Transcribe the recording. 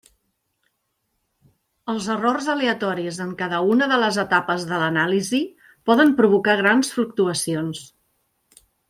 Els errors aleatoris en cada una de les etapes de l'anàlisi poden provocar grans fluctuacions.